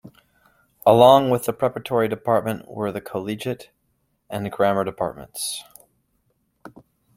Along with the Preparatory department were the Collegiate and Grammar departments.